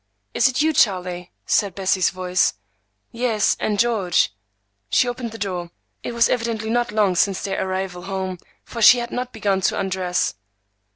"Is it you, Charlie?" said Bessie's voice. "Yes,—and George." She opened the door. It was evidently not long since their arrival home, for she had not begun to undress.